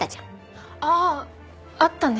あああったね。